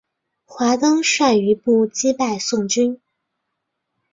华登率余部击败宋军。